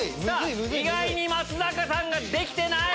意外に松坂さんができてない！